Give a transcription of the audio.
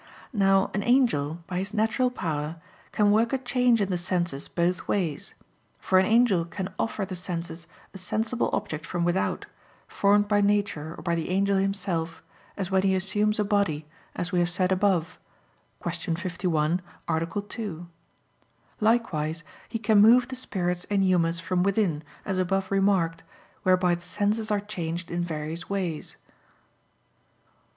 Now an angel, by his natural power, can work a change in the senses both ways. For an angel can offer the senses a sensible object from without, formed by nature or by the angel himself, as when he assumes a body, as we have said above (Q. 51, A. 2). Likewise he can move the spirits and humors from within, as above remarked, whereby the senses are changed in various ways.